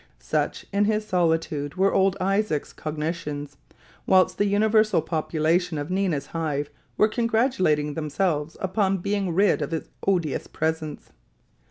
Such in his solitude were old Isaac's cogitations, whilst the universal population of Nina's Hive were congratulating themselves upon being rid of his odious presence.